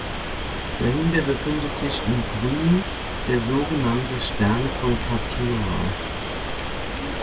Dahinter befindet sich in Grün der so genannte "Stern von Tadjoura".